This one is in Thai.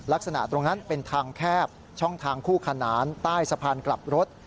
ลักษณะตรงนั้นเป็นทางแคบช่องทางคู่ขนานใต้สะพานกลับรถ